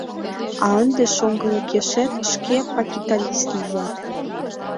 А ынде шоҥгылыкешет шке пакиталист лият!